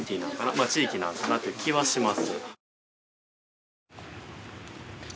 まあ地域なのかなっていう気はします。